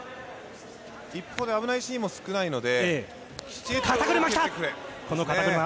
一方で、危ないシーンも少ないので。